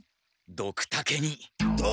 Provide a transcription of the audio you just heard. ドクタケに！？